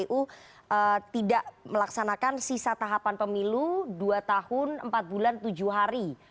kpu tidak melaksanakan sisa tahapan pemilu dua tahun empat bulan tujuh hari